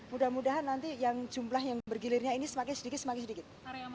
mudah mudahan nanti yang jumlah yang bergilirnya ini semakin sedikit semakin sedikit